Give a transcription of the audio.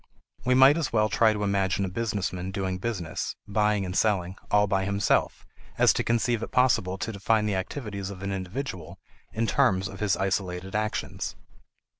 We might as well try to imagine a business man doing business, buying and selling, all by himself, as to conceive it possible to define the activities of an individual in terms of his isolated actions.